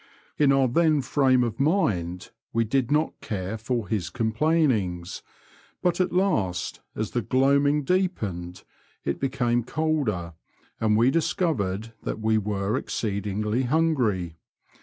In our then frame of mind we did not care for his com plainings, but at last, as the gloaming deepened, it became colder, and we discovered that we were exceedingly hungry.